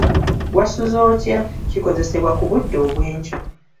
Wasuze otya? kikozesebwa ku budde obwenkya